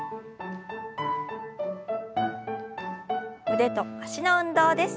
腕と脚の運動です。